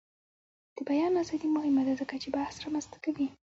د بیان ازادي مهمه ده ځکه چې بحث رامنځته کوي.